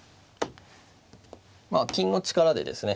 まあ金の力でですね